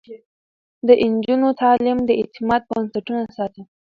د نجونو تعليم د اعتماد بنسټونه ساتي.